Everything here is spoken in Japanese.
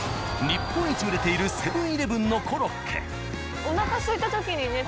日本一売れているセブン−イレブンのコロッケ。